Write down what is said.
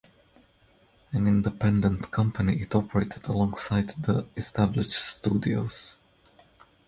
An independent company it operated alongside the established studios.